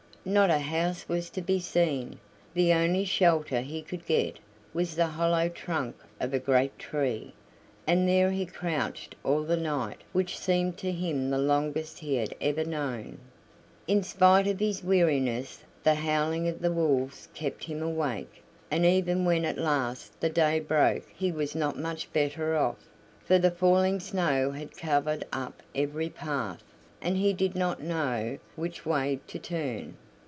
Not a house was to be seen; the only shelter he could get was the hollow trunk of a great tree, and there he crouched all the night which seemed to him the longest he had ever known. In spite of his weariness the howling of the wolves kept him awake, and even when at last the day broke he was not much better off, for the falling snow had covered up every path, and he did not know which way to turn.